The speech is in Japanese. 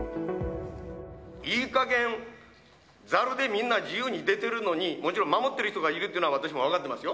いいかげん、ざるでみんな自由に出てるのに、もちろん、守っている人がいるっていうのは私も分かってますよ。